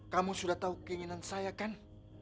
kamu sudah tahu keinginan saya kan